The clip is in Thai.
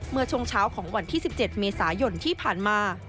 เมื่อช่วงเช้าของวันที่๑๗เมษายนที่ผ่านมา